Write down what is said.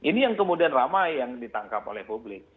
ini yang kemudian ramai yang ditangkap oleh publik